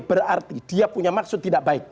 berarti dia punya maksud tidak baik